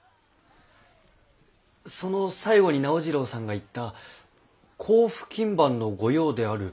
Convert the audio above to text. その最後に直次郎さんが言った「甲府勤番の御用である。